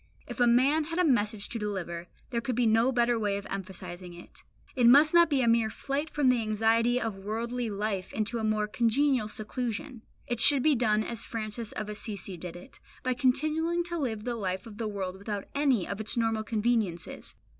If a man had a message to deliver, there could be no better way of emphasizing it. It must not be a mere flight from the anxiety of worldly life into a more congenial seclusion. It should be done as Francis of Assisi did it, by continuing to live the life of the world without any of its normal conveniences.